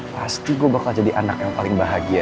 pasti gue bakal jadi anak yang paling bahagia